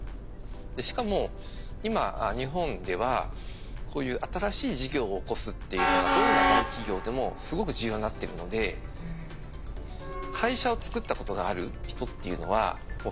しかも今日本ではこういう新しい事業をおこすっていうのがどんな大企業でもすごく重要になってるので会社を作ったことがある人っていうのはそれだけで評価上がるんですね。